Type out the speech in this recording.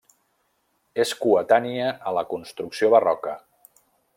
És coetània a la construcció barroca.